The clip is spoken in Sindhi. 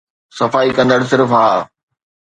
صفائي ڪندڙ صرف ها